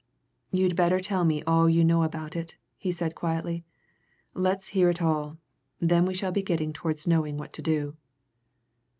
"You'd better tell me all you know about it," he said quietly. "Let's hear it all then we shall be getting towards knowing what to do."